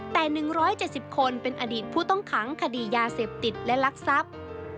แต่๑๗๐คนเป็นอดีตผู้ต้องขังคดียาเสพติดและลักทรัพย์